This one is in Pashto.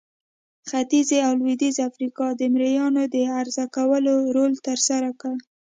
ختیځې او لوېدیځې افریقا د مریانو د عرضه کولو رول ترسره کړ.